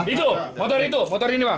itu motor itu motor ini pak